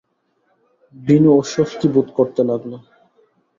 বিনু অস্বস্তি বোধ করতে লাগল।